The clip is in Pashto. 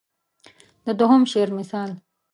د دوهم شعر مثال.